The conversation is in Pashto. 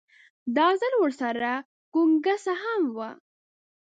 دا ځل ورسره ګونګسه هم وه.